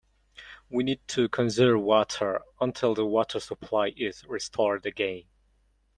We need to conserve water until the water supply is restored again.